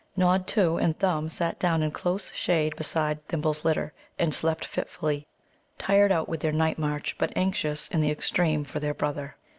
Nod, too, and Thumb sat down in close shade beside Thimble's litter, and slept fitfully, tired out with their night march, but anxious in the extreme for their brother.